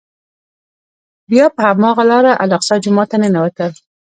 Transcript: بیا په هماغه لاره الاقصی جومات ته ننوتل.